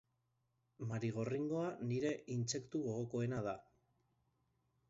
Marigorringoa nire intsektu gogokoena da.